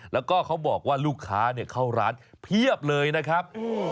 แล้วก็เขาบอกว่าลูกค้าเข้าร้านเพียบเลยนะครับ